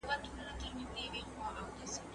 زه اوږده وخت درسونه تياروم وم!!